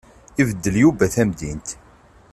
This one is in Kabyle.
Ibeddel Yuba tamdint.